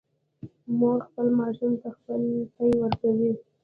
مور خپل ماشوم ته خپل پی ورکوي